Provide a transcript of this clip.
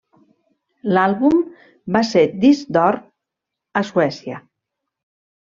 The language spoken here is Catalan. L'àlbum va ser disc d'or a Suècia.